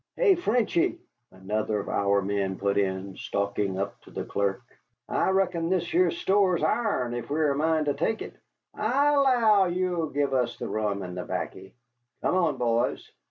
"Hey, Frenchy," another of our men put in, stalking up to the clerk, "I reckon this here store's ourn, ef we've a mind to tek it. I 'low you'll give us the rum and the 'baccy. Come on, boys!"